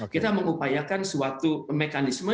kita mengupayakan suatu mekanisme